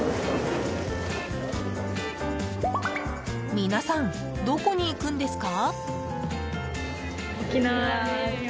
皆さん、どこに行くんですか？